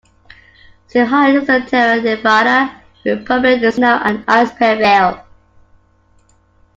Still higher is the "tierra nevada", where permanent snow and ice prevail.